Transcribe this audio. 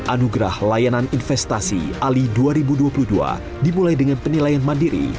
anugerah layanan investasi ali dua ribu dua puluh dua dimulai dengan penilaian mandiri